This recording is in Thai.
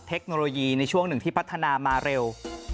เทคโนโลยีในช่วงหนึ่งที่พัฒนามาเร็ว